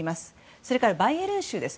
それからバイエルン州です。